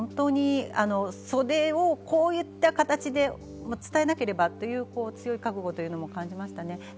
それをこういった形で伝えなければという強い覚悟も感じられました。